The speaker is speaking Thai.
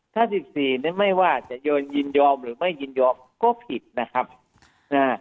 ถ้าสิบสี่เนี้ยไม่ว่าจะโยนยินยอมหรือไม่ยินยอมก็ผิดนะครับอ่า